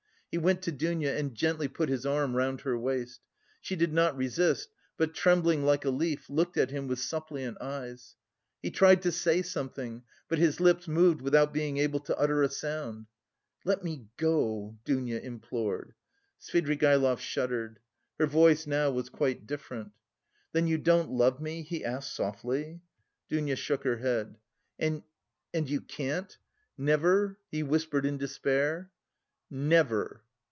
He went to Dounia and gently put his arm round her waist. She did not resist, but, trembling like a leaf, looked at him with suppliant eyes. He tried to say something, but his lips moved without being able to utter a sound. "Let me go," Dounia implored. Svidrigaïlov shuddered. Her voice now was quite different. "Then you don't love me?" he asked softly. Dounia shook her head. "And... and you can't? Never?" he whispered in despair. "Never!"